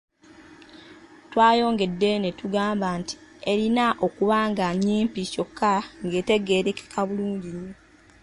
Twayongedde ne tugamba nti erina okuba nga nnyimpi kyokka ng'etegeerekeka bulungi nnyo.